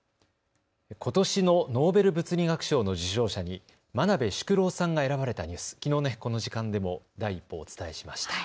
ことしのノーベル物理学賞の受賞者に真鍋淑郎さんが選ばれたニュース、きのうのこの時間でも第一報をお伝えしました。